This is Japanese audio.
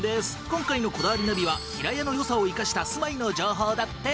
今回の『こだわりナビ』は平屋の良さを活かした住まいの情報だって！